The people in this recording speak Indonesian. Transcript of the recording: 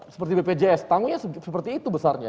seperti bpjs tanggungnya seperti itu besarnya